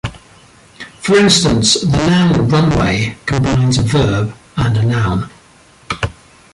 For instance, the noun 'runway' combines a verb and a noun.